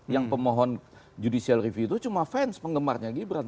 yang pemohon judicial review itu cuma fans penggemarnya gibran